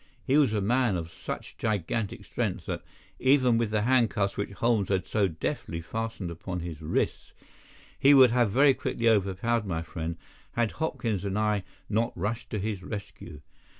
He was a man of such gigantic strength that, even with the handcuffs which Holmes had so deftly fastened upon his wrists, he would have very quickly overpowered my friend had Hopkins and I not rushed to his rescue.